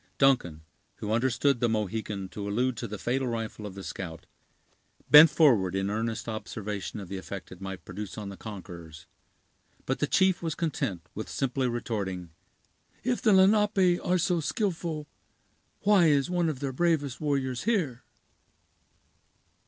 Duncan, who understood the Mohican to allude to the fatal rifle of the scout, bent forward in earnest observation of the effect it might produce on the conquerors; but the chief was content with simply retorting: "If the Lenape are so skillful, why is one of their bravest warriors here?"